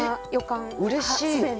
うれしい！